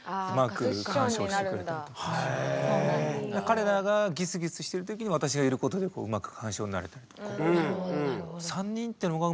彼らがギスギスしてる時に私がいることでうまく緩衝になれたりとか。